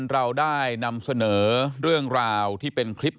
เราได้นำเสนอเรื่องราวที่เป็นคลิป